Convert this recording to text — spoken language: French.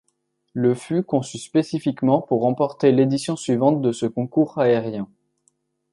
Le fut conçu spécifiquement pour remporter l'édition suivante de ce concours aérien.